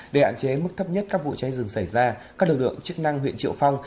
để hạn chế mức thấp nhất các vụ cháy rừng xảy ra các lực lượng chức năng huyện triệu phong